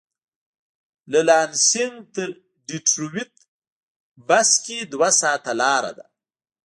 له لانسېنګ تر ډیترویت بس کې دوه ساعته لاره ده.